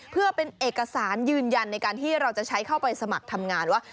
เพื่อเป็นเอกสารยืนยันในการที่เราจะใช้เข้าไปสมัครทำงานว่า